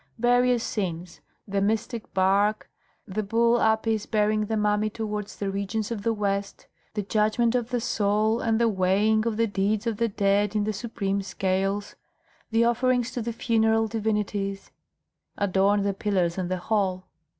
Various scenes the mystic bark, the bull Apis bearing the mummy towards the regions of the West, the judgment of the soul and the weighing of the deeds of the dead in the supreme scales, the offerings to the funeral divinities adorned the pillars and the hall.